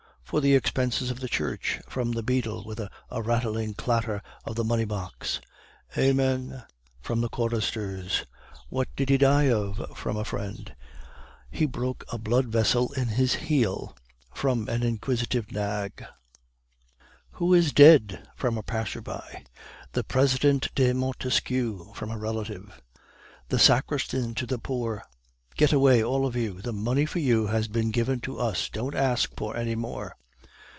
"'For the expenses of the church!' (from the beadle, with a rattling clatter of the money box). "'Amen' (from the choristers). "'What did he die of?' (from a friend). "'He broke a blood vessel in the heel' (from an inquisitive wag). "'Who is dead?' (from a passer by). "'The President de Montesquieu!' (from a relative). "The sacristan to the poor, 'Get away, all of you; the money for you has been given to us; don't ask for any more.